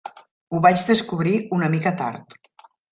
Ho vaig descobrir una mica tard.